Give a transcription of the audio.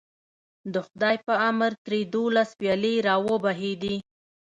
د خدای په امر ترې دولس ویالې راوبهېدې.